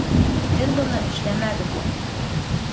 Һеҙ быны эшләмәгеҙ!